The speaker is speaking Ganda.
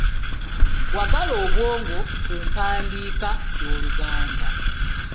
Wagala obwongo ku mpandiika y’Oluganda.